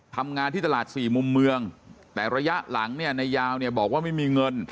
ทำงานที่ตลาด๔มุมเมืองแต่ระยะหลังนายาวบอกว่าไม่มีเงิน